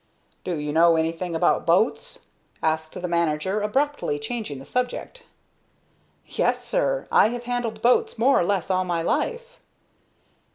"Do you know anything about boats?" asked the manager, abruptly changing the subject. "Yes, sir; I have handled boats more or less all my life."